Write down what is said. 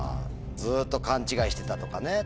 ずっと勘違いしてたとかね。